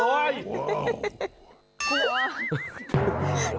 กลัว